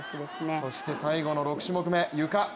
そして最後の６種目め、ゆか。